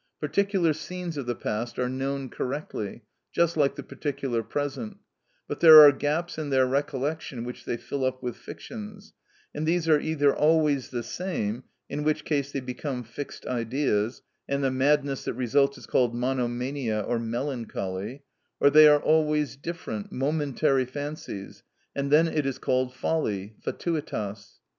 Particular scenes of the past are known correctly, just like the particular present; but there are gaps in their recollection which they fill up with fictions, and these are either always the same, in which case they become fixed ideas, and the madness that results is called monomania or melancholy; or they are always different, momentary fancies, and then it is called folly, fatuitas.